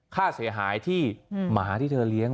ค่าเสียหายที่หมาที่เธอเลี้ยง